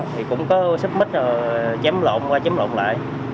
thì cũng có xích mít chém lộn qua chém lộn lại